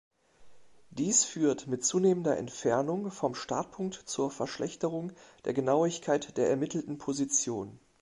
Dies führt mit zunehmender Entfernung vom Startpunkt zur Verschlechterung der Genauigkeit der ermittelten Position.